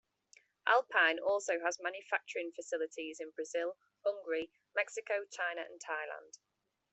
Alpine also has manufacturing facilities in Brazil, Hungary, Mexico, China, and Thailand.